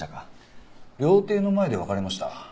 料亭の前で別れました。